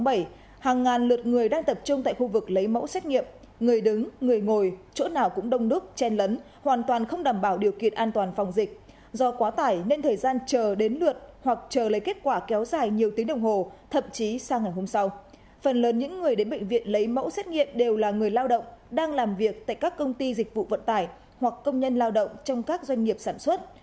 phần lớn những người đến bệnh viện lấy mẫu xét nghiệm đều là người lao động đang làm việc tại các công ty dịch vụ vận tải hoặc công nhân lao động trong các doanh nghiệp sản xuất